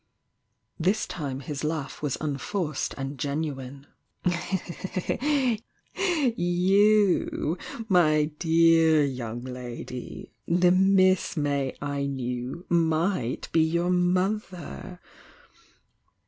ThSehieWwa* unforced and genuine ••You' My dear young lady! The MiM May I knew might be your mother!